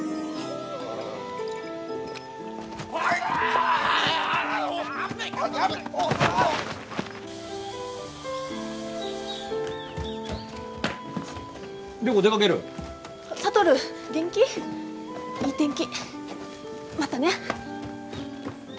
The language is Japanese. いい天気またね。